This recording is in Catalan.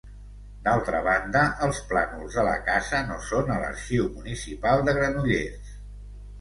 D'altra banda, els plànols de la casa no són a l'arxiu municipal de Granollers.